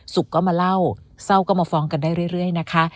ก็มาเล่าเศร้าก็มาฟ้องกันได้เรื่อยนะคะ